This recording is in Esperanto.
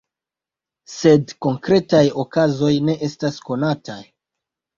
Sed konkretaj okazoj ne estas konataj.